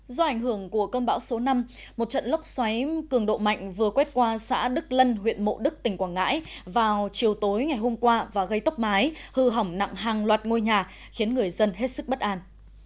do ảnh hưởng của cơn bão số năm một trận lốc xoáy cường độ mạnh vừa quét qua xã đức lân huyện mộ đức tỉnh quảng ngãi vào chiều tối ngày hôm qua và gây tốc mái hư hỏng nặng hàng loạt ngôi nhà khiến người dân hết sức bất an